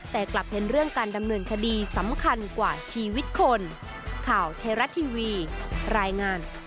แต่กลับเป็นเรื่องการดำเนินคดีสำคัญกว่าชีวิตคน